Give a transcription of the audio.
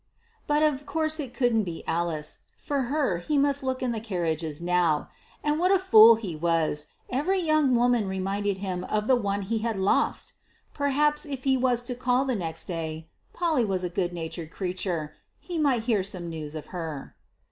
But of course it couldn't be Alice; for her he must look in the carriages now! And what a fool he was: every young woman reminded him of the one he had lost! Perhaps if he was to call the next day Polly was a good natured creature he might hear some news of her.